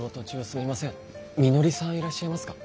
みのりさんいらっしゃいますか？